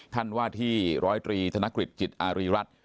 ท่านว่าที่๑๐๓ธนกฤทธิ์จิตอารีรัฐ